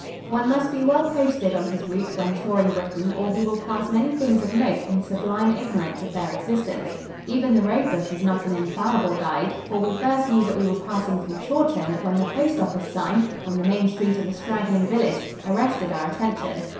One must be well posted on his route when touring Britain or he will pass many things of note in sublime ignorance of their existence. Even the road book is not an infallible guide, for we first knew that we were passing through Chawton when the postoffice sign, on the main street of a straggling village, arrested our attention.